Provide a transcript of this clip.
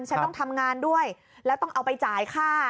ฉันต้องทำงานด้วยแล้วต้องเอาไปจ่ายค่า